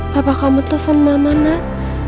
bapak kamu telpon mama nak